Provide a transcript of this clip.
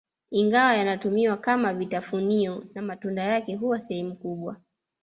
Ingawa yanatumiwa kama vitafunio na matunda yake huwa sehemu kubwa